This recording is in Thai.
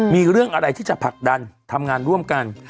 มีเรื่องอะไรที่จะผลักดันทำงานร่วมกัน